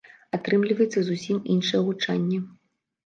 Атрымліваецца зусім іншае гучанне.